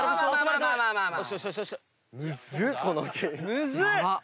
むずっ！